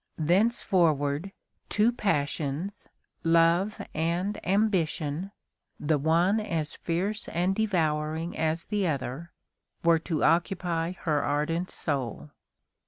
Thenceforward, two passions, love and ambition, the one as fierce and devouring as the other, were to occupy her ardent soul.